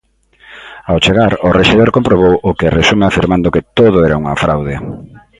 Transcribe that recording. Ao chegar, o rexedor comprobou o que resume afirmando que "todo era unha fraude".